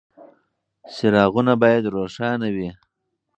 څراغونه باید روښانه وي.